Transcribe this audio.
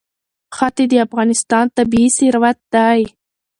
ښتې د افغانستان طبعي ثروت دی.